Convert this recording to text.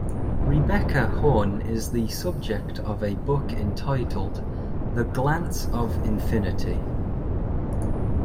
Rebecca Horn is the subject of a book entitled "The Glance of Infinity".